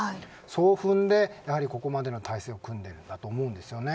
そう踏んでここまでの態勢を組んでいるんだと思うんですよね。